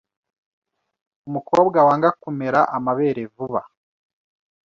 Umukobwa wanga kumera amabere vuba